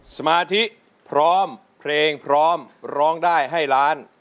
สมาธิพร้อมเพลงพร้อมร้องได้ให้ล้าน